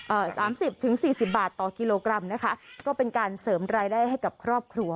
สามสิบถึงสี่สิบบาทต่อกิโลกรัมนะคะก็เป็นการเสริมรายได้ให้กับครอบครัว